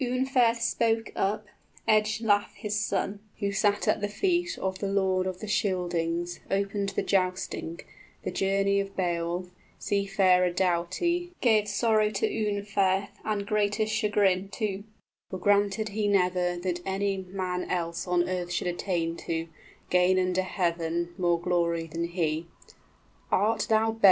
} Unferth spoke up, Ecglaf his son, Who sat at the feet of the lord of the Scyldings, Opened the jousting (the journey of Beowulf, Sea farer doughty, gave sorrow to Unferth 5 And greatest chagrin, too, for granted he never That any man else on earth should attain to, Gain under heaven, more glory than he): {Did you take part in a swimming match with Breca?